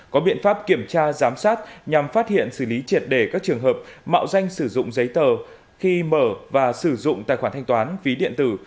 có biện pháp kiểm tra giám sát nhằm phát hiện xử lý triệt đề các trường hợp mạo danh sử dụng giấy tờ khi mở và sử dụng tài khoản thanh toán ví điện tử